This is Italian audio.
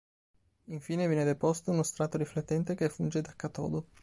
Infine viene deposto uno strato riflettente che funge da catodo.